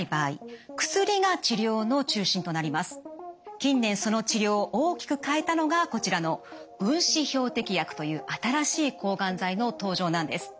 近年その治療を大きく変えたのがこちらの分子標的薬という新しい抗がん剤の登場なんです。